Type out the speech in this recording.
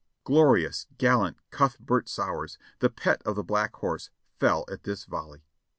Glorious, gallant Cuthbert Sowers, the pet of the Black Horse, fell at this volley.